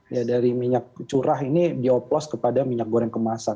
ya dari minyak curah ini dioplos kepada minyak goreng kemasan